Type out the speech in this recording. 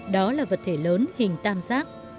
đó là vật thể lớn hình tam sát